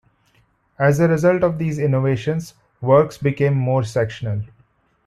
As the result of these innovations, works became more sectional.